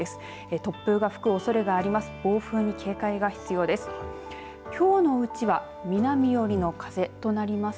突風が吹くおそれがあります。